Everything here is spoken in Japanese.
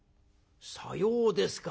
「さようですか。